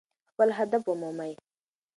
خپل هدف ومومئ.